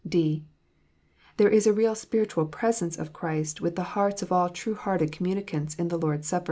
(d) There is a real spiritual " presence " of Christ with the hearts of all true hearted communicants in the Lord s Supper.